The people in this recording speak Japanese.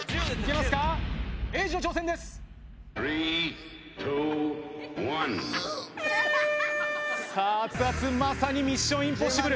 まさにミッションインポッシブル。